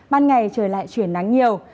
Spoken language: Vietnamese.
ban ngày trời lại chuyển nắng nhiều